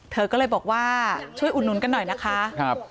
เธอก็เลยบอกว่าช่วยอุดหนุนกันหน่อยนะคะ